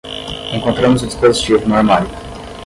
Encontramos o dispositivo no armário.